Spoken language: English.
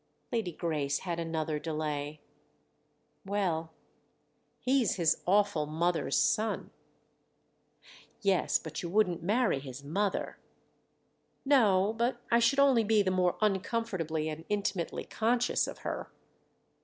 Lady Grace had another delay. "Well, he's his awful mother's son." "Yes—but you wouldn't marry his mother." "No—but I should only be the more uncomfortably and intimately conscious of her."